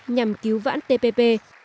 nhằm cứu vãn tpp